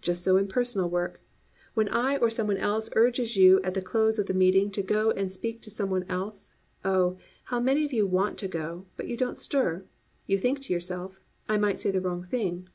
Just so in personal work. When I or some one else urges you at the close of the meeting to go and speak to some one else, oh, how many of you want to go, but you don't stir. You think to yourself, "I might say the wrong thing."